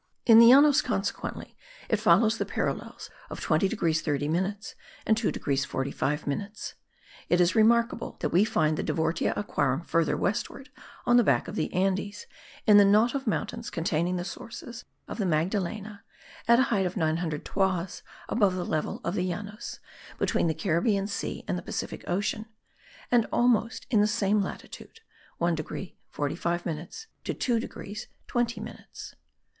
In the Llanos, consequently, it follows the parallels of 20 degrees 30 minutes and 2 degrees 45 minutes. It is remarkable that we find the divortia aquarum further westward on the back of the Andes, in the knot of mountains containing the sources of the Magdalena, at a height of 900 toises above the level of the Llanos, between the Caribbean Sea and the Pacific ocean, and almost in the same latitude (1 degree 45 minutes to 2 degrees 20 minutes).